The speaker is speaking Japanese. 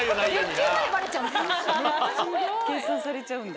計算されちゃうんだ。